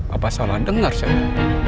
apa salah denger saya